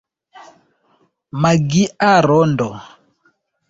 Magia rondo.